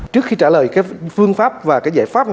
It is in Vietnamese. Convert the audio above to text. trước khi trả lời phương pháp và giải pháp